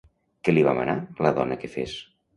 Què li va manar la dona que fes?